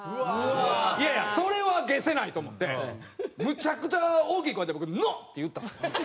いやいやそれは解せないと思ってむちゃくちゃ大きい声で僕「ＮＯ！」って言ったんですよ。